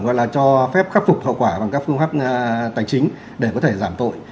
gọi là cho phép khắc phục hậu quả bằng các phương pháp tài chính để có thể giảm tội